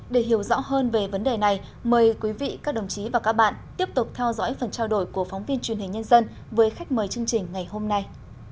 để hiểu rõ hơn về vấn đề này mời quý vị các đồng chí và các bạn tiếp tục theo dõi phần trao đổi của phóng viên truyền hình nhân dân với khách mời chương trình ngày hôm nay